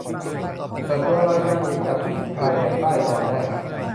เปิดตัวรายการเสียงจากผู้หญิงชายแดนใต้ ตอนแรก